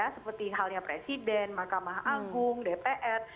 seperti halnya presiden mahkamah agung dpr